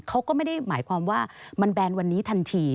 เขาก็ไม่ได้หมายความว่ามันแบนวันนี้ทันที